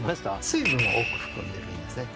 水分を多く含んでるんですね